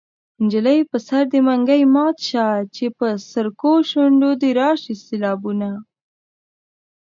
نجلۍ په سر دې منګی مات شه چې په سرکو شونډو دې راشي سېلابونه